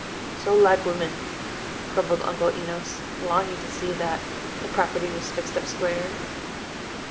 "So like women!" grumbled Uncle Enos, longing to see that "the property was fixed up square."